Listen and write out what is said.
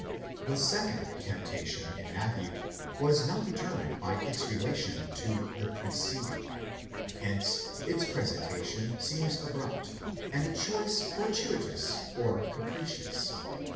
4! The second temptation (in Matthew) was not determined by its relation to the preceding ; hence its presentation seems abrupt, and the choice fortuitous 'or capricious.